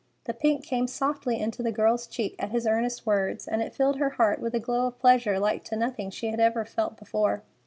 The pink came softly into the girl's cheek at his earnest words, and it filled her heart with a glow of pleasure like to nothing she had ever felt before.